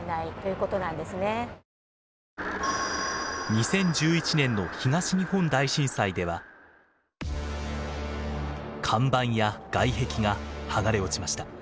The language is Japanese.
２０１１年の東日本大震災では看板や外壁が剥がれ落ちました。